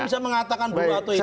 bisa mengatakan dua atau yang